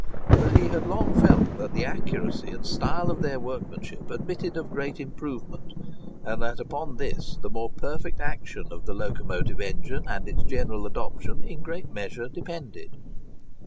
But he had long felt that the accuracy and style of their workmanship admitted of great improvement, and that upon this the more perfect action of the locomotive engine, and its general adoption, in a great measure depended.